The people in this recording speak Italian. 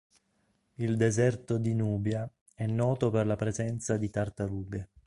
Il deserto di Nubia è noto per la presenza di tartarughe.